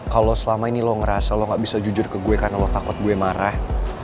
kalau selama ini lo ngerasa lo gak bisa jujur ke gue karena lo takut gue marah